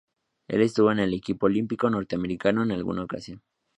Él estuvo en el equipo olímpico norteamericano en alguna ocasión.